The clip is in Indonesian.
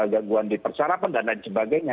gaguan di persarapan dan lain sebagainya